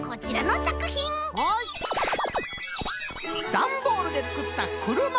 だんボールでつくったくるま。